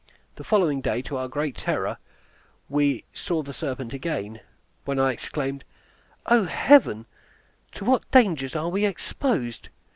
The following day, to our great terror, we saw the serpent again, when I exclaimed, "O Heaven, to what dangers are we exposed!